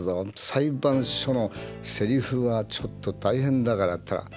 裁判所のセリフはちょっと大変だから。